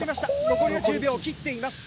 残りは１０秒を切っています。